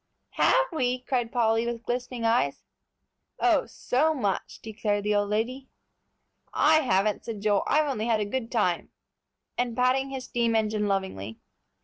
"Have we?" cried Polly, with glistening eyes. "Oh, so much!" declared the old lady. "I haven't," said Joel; "I've only had a good time," and patting his steam engine lovingly.